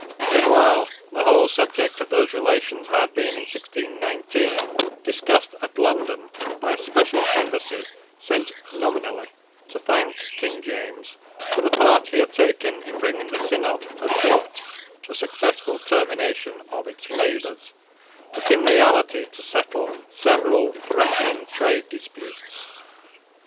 Meanwhile the whole subject of those relations had been in 1619 discussed at London by a special embassy sent nominally to thank King James for the part he had taken in bringing the Synod of Dort to a successful termination of its labours, but in reality to settle several threatening trade disputes.